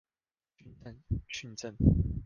軍政、訓政